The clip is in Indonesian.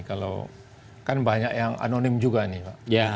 kalau kan banyak yang anonim juga nih pak